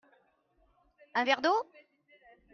Un verre d'eau ?